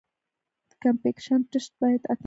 د کمپکشن ټسټ باید اته نوي سلنه وي